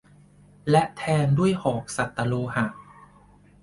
และแทงด้วยหอกสัตตโลหะ